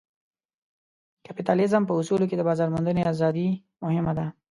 کپیټالیزم په اصولو کې د بازار موندنې ازادي مهمه ده.